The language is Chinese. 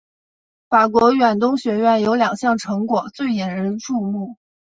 法国远东学院有两项成果最引人注目。